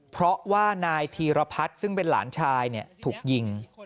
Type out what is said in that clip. เพราะว่านายธีรพัฒน์ซึ่งเป็นหลานชายถูกยิง